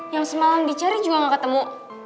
yang semalam dicari juga nggak ketemu